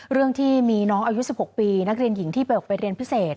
เรื่องที่มีน้องอายุ๑๖ปีนักเรียนหญิงที่ไปออกไปเรียนพิเศษ